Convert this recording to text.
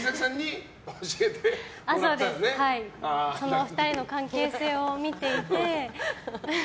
お二人の関係性を見ていて。